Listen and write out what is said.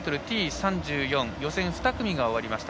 ３４予選２組が終わりました。